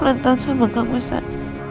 lantau sama kamu mbak